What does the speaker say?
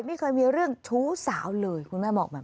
ไม่เคยมีเรื่องชู้สาวเลยคุณแม่บอกแบบ